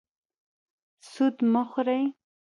سود مه خورئ